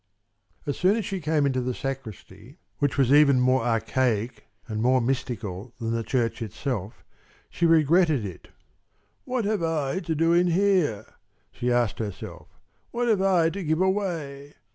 As soon as she came into the sacristy, which was even more archaic and more mystical than the church itself, she regretted it. "What have I to do in here?" she asked herself. "What have I to give away?